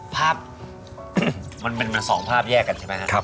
ภาพมันเป็น๒ภาพแยกกันใช่ไหมครับ